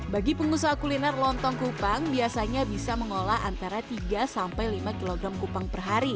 bagi pengusaha kuliner lontong kupang biasanya bisa mengolah antara tiga sampai lima kg kupang